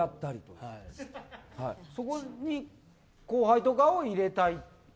そこに後輩とかを入れたり？